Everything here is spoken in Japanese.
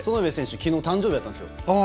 きのう誕生日だったんですよ。